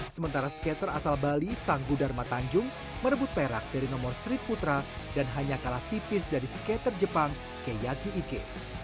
sementara skater asal bali sanggu dharma tanjung merebut perak dari nomor street putra dan hanya kalah tipis dari skater jepang keyaki ike